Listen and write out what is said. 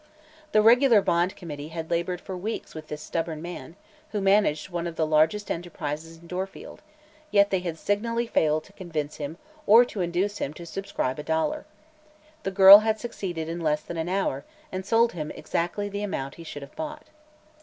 The regular Bond Committee had labored for weeks with this stubborn man, who managed one of the largest enterprises in Dorfield, yet they had signally failed to convince him or to induce him to subscribe a dollar. The girl had succeeded in less than an hour, and sold him exactly the amount he should have bought.